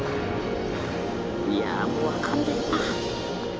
いやもう分かんねえな。